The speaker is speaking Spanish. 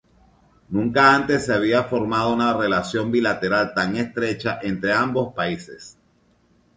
Nunca antes se había formado una relación bilateral tan estrecha entre ambos países.